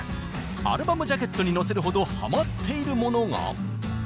アルバムジャケットに載せるほどハマっているものが。